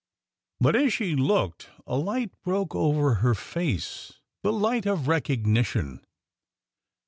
But as she looked, a light broke v.iver her face — the light of recognition.